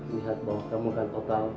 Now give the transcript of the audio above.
lihat bahwa kamu kan total